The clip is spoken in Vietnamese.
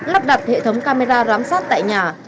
lắp đặt hệ thống camera rám sát tại nhà